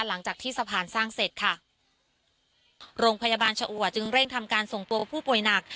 หลังจากที่สะพานสร้างเสร็จค่ะโรงพยาบาลชะอัวจึงเร่งทำการส่งตัวผู้ป่วยหนัก